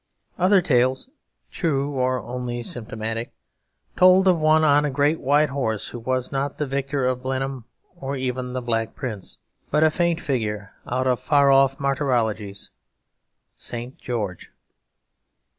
Other tales, true or only symptomatic, told of one on a great white horse who was not the victor of Blenheim or even the Black Prince, but a faint figure out of far off martyrologies St. George.